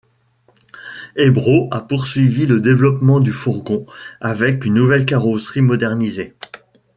Ebro a poursuivi le développement du fourgon, avec une nouvelle carrosserie modernisée.